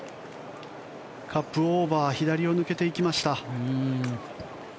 カップオーバー左を抜けていきました。